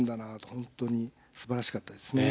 本当に素晴らしかったですね。